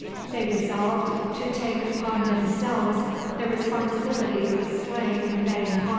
They resolved to take upon themselves the responsibility of slaying Vang Khan.